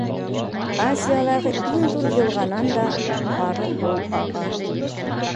Азиялағы иң ҙур йылғанан да һары һыу аға.